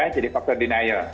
jadi faktor denial